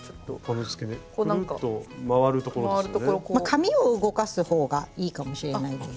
紙を動かす方がいいかもしれないです。